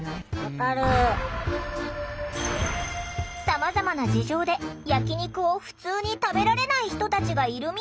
さまざまな事情で焼き肉をふつうに食べられない人たちがいるみたい。